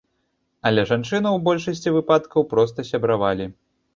Але жанчыны ў большасці выпадкаў проста сябравалі.